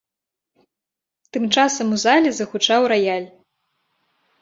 Тым часам у зале загучаў раяль.